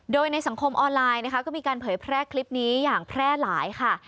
โดยในสังคมออนไลน์นะคะก็มีการเผยแพร่คลิปนี้อย่างแพร่หลายค่ะ